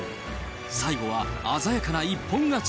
最後は鮮やかな一本勝ち。